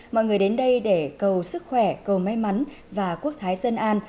mọi người đến đây để cầu sức khỏe cầu may mắn và quốc thái dân an